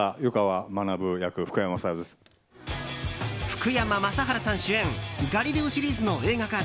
福山雅治さん主演「ガリレオ」シリーズの映画化